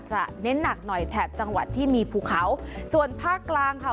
เน้นหนักหน่อยแถบจังหวัดที่มีภูเขาส่วนภาคกลางค่ะ